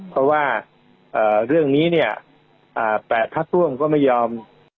เพราะว่าเรื่องนี้แปดพัดตรวงก็ไม่ยอม